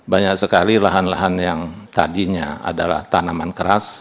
banyak sekali lahan lahan yang tadinya adalah tanaman keras